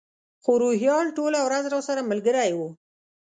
خو روهیال ټوله ورځ راسره ملګری و.